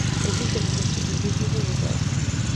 Es inteligente, intuitivo y honrado.